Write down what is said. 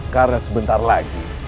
karena sebentar lagi